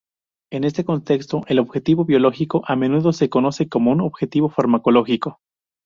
En este contexto, el objetivo biológico a menudo se conoce como un objetivo farmacológico.